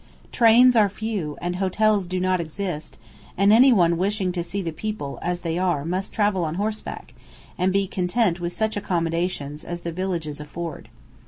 Trains are few, and hotels do not exist, and anyone wishing to see the people as they are must travel on horseback, and be content with such accommodation as the villages afford.